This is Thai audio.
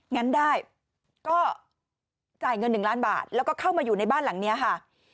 งั้นได้ก็จ่ายเงิน๑ล้านบาทแล้วก็เข้ามาอยู่ในบ้านหลังนี้ค่ะ